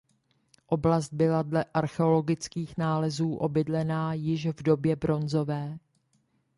Oblast byla dle archeologických nálezů obydlená již v době bronzové.